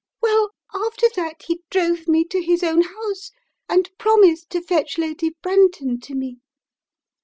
"Well, after that he drove me to his own house, and promised to fetch Lady Brenton to me!"